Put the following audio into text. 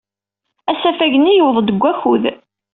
Asafag-nni yewweḍ-d deg wakud.